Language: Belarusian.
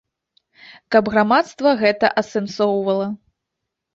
Каб грамадства гэта асэнсоўвала.